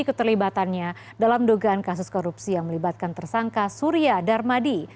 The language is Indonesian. keterlibatannya dalam dugaan kasus korupsi yang melibatkan tersangka surya darmadi